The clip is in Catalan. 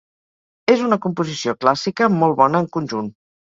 És una composició clàssica molt bona en conjunt.